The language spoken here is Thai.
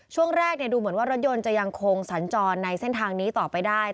ช่วงแรกดูเหมือนว่ารถยนต์จะยังคงสัญจรในเส้นทางนี้ต่อไปได้